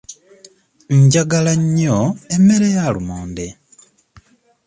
Njagala nnyo emmere ya lumonde.